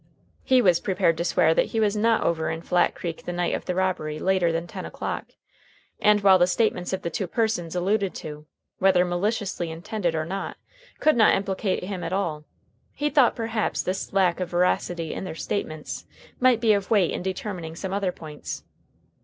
He was prepared to swear that he was not over in Flat Creek the night of the robbery later than ten o'clock, and while the statements of the two persons alluded to, whether maliciously intended or not, could not implicate him at all, he thought perhaps this lack of veracity in their statements might be of weight in determining some other points.